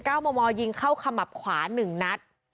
เก้าหมอมอยิงเข้าขมับขวา๑นัท